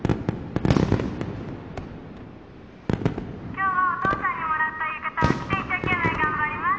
今日はお父さんにもらった浴衣を着て一生懸命頑張ります！